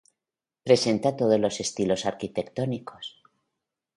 Presenta todos los estilos arquitectónicos.